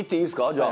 じゃあ。